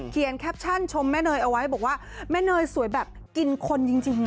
แคปชั่นชมแม่เนยเอาไว้บอกว่าแม่เนยสวยแบบกินคนจริง